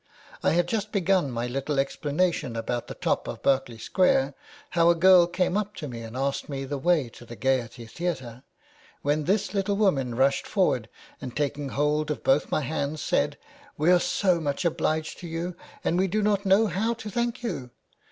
" I had just begun my little explanation about the top of Berkeley Square, how a girl came up to me and asked me the way to the Gaiety Theatre, when this little woman rushed forward and, taking hold of both my hands, said :' We are so much obliged to you ; and we do not know how to thank you.'